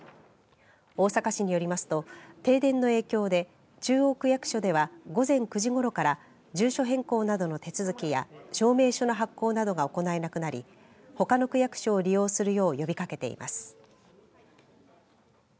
大阪市によりますと停電の影響で中央区役所では午前９時ごろから住所変更などの手続きや証明書の発行などが行えなくなりほかの区役所を利用するよう呼びかけています。